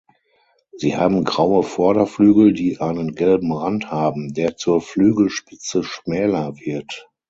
Sie haben graue Vorderflügel, die einen gelben Rand haben, der zur Flügelspitze schmäler wird.